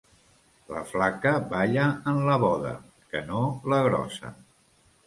La flaca balla en la boda, que no la grossa.